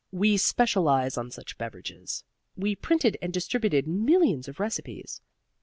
We specialized on such beverages. We printed and distributed millions of recipes.